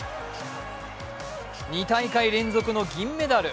２大会連続の銀メダル。